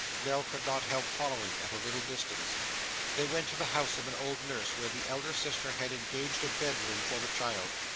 Nell could not help following at a little distance. They went to the house of an old nurse, where the elder sister had engaged a bed room for the child.